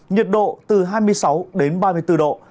nhiệt độ từ hai mươi sáu đến ba mươi bốn độ